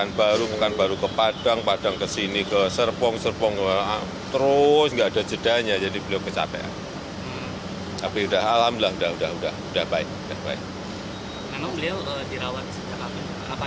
namun beliau dirawat siapa